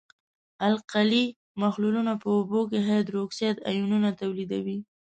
القلي محلولونه په اوبو کې هایدروکساید آیونونه تولیدوي.